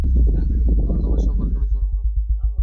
তবে, সফরকারী চলাকালীন আঙ্গুলে আঘাত পান।